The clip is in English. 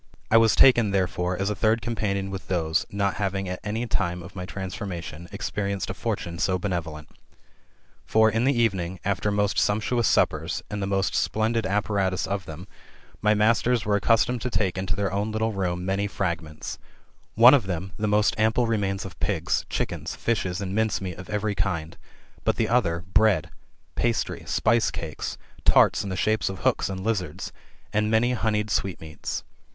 I was taken, thcfrefore, as a third companion with those: not having at any time [of my transformation], experienced a fortune so benevolent. For, in the evening, after most sumptuous suppers, and the most splendid apparatus of them, my masters were accustomed to take into their own little room many frag ments ; one of them, the most ample remains of pigs, chicken, fishes, and mince meat of every kind; but the other bread, pastry, spice cakes, tarts in the shape of hooks and lizards, and many honied sweetmeats.